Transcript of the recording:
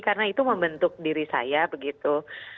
karena itu membentuk diri saya begitu